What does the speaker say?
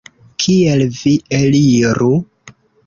Kiel vi eliru?